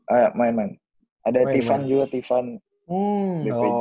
iya main main ada tivan juga tivan bpj